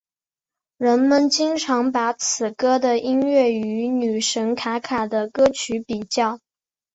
人们经常把此歌的音乐与女神卡卡的歌曲比较。